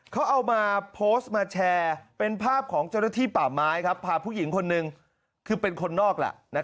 เขาเอามาโพสต์มาแชร์เป็นภาพของเจ้าหน้าที่ป่าไม้พาผู้หญิงคนหนึ่งคือเป็นคนนอกแหละ